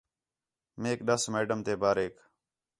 میک ݙَس میڈم تے باریک